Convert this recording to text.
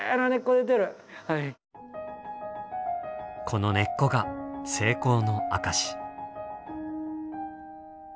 この根っこが成功の証し。